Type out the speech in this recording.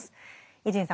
伊集院さん